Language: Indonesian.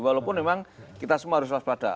walaupun memang kita semua harus waspada